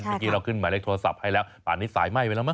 เมื่อกี้เราขึ้นหมายเลขโทรศัพท์ให้แล้วป่านนี้สายไหม้ไปแล้วมั